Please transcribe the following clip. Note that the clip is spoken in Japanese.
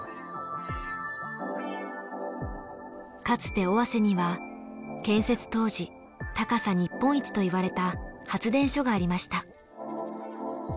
かつて尾鷲には建設当時高さ日本一といわれた発電所がありました。